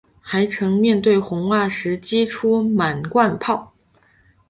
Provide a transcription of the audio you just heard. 还曾面对红袜时击出满贯炮。